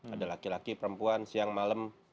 ada laki laki perempuan siang malam